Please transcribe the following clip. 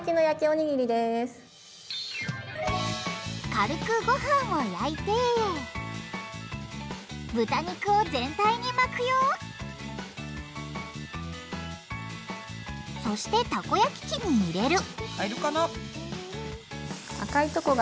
軽くごはんを焼いて豚肉を全体に巻くよそしてタコ焼き器に入れる入るかな？